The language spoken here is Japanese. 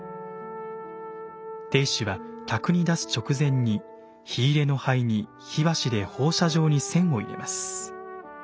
亭主は客に出す直前に火入の灰に火箸で放射状に線を入れます。